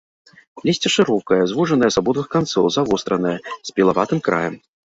Лісце шырокае, звужанае з абодвух канцоў, завостранае, з пілаватым краем.